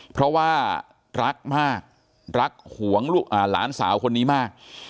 เพราะว่ารักมากรักหวงหลานสาวคนนี้มาก